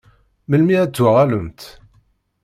Melmi ad d-tuɣalemt?